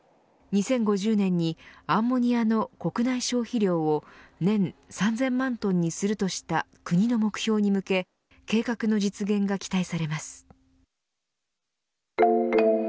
２０５０年にアンモニアの国内消費量を年３０００万トンにするとした国の目標に向け計画の実現が期待されます。